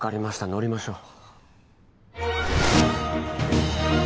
乗りましょう。